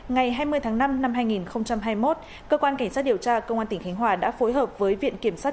ngày hai mươi tháng năm năm hai nghìn hai mươi một cơ quan cảnh sát điều tra công an tỉnh khánh hòa đã phối hợp với viện kiểm sát